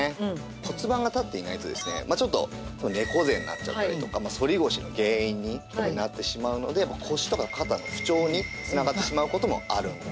骨盤が立っていないとですねちょっと猫背になっちゃったりとか反り腰の原因になってしまうので腰とか肩の不調に繋がってしまう事もあるんですね。